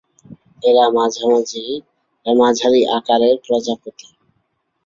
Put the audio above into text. এরা মাঝারি আকারের প্রজাপতি।